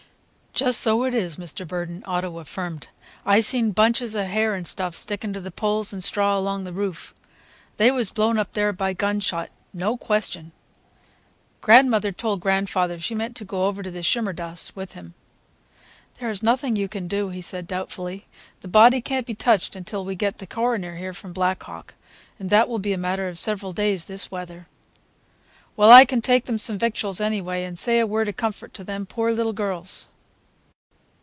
"Just so it is, Mr. Burden," Otto affirmed. "I seen bunches of hair and stuff sticking to the poles and straw along the roof. They was blown up there by gunshot, no question." Grandmother told grandfather she meant to go over to the Shimerdas with him. "There is nothing you can do," he said doubtfully. "The body can't be touched until we get the coroner here from Black Hawk, and that will be a matter of several days, this weather." "Well, I can take them some victuals, anyway, and say a word of comfort to them poor little girls.